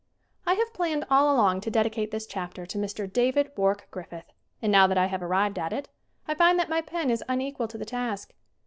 I HAVE planned all along to dedicate this chapter to Mr. David Wark Griffith, and now that I have arrived at it, I find that my pen is unequal to the task.